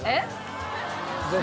ぜひ。